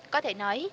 có thể nói